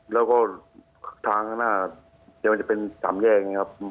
แล้วก็ทางหน้ามันจะเป็น๓แยกอย่างนี้ครับ